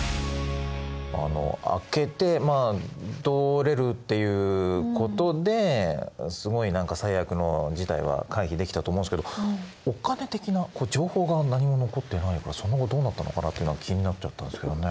開けて通れるっていうことですごい何か最悪の事態は回避できたと思うんですけどお金的な情報が何も残ってないからその後どうなったのかなっていうのが気になっちゃったんですけどね。